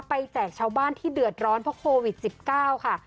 แจกชาวบ้านที่เดือดร้อนเพราะโควิด๑๙ค่ะ